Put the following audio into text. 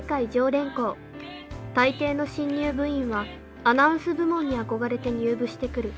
大抵の新入部員はアナウンス部門に憧れて入部してくる。